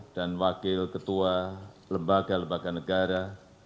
dan wakil ketua lembaga lembaga negara